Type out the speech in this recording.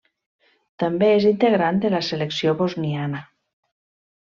També és integrant de la selecció bosniana.